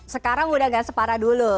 sekarang udah gak separah dulu